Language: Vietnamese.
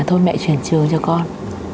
thôi mẹ chuyển trường cho con